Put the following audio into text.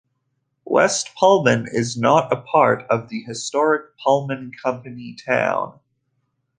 West Pullman is not a part of the historic Pullman company town.